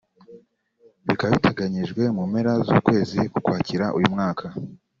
bikaba biteganyijwe mu mpera z’ukwezi k’Ukwakira uyu mwaka